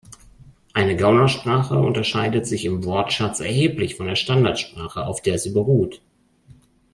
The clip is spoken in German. Eine Gaunersprache unterscheidet sich im Wortschatz erheblich von der Standardsprache, auf der sie beruht.